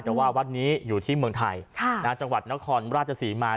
แต่ว่าวัดนี้อยู่ที่เมืองไทยจังหวัดนครราชศรีมา